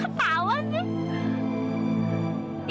kok ketawa sih